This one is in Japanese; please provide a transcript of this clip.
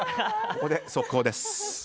ここで、速報です。